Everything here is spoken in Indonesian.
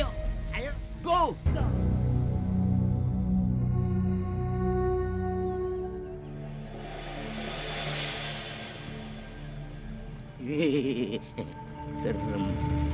oke deh kalau gitu lu rupa rupa lu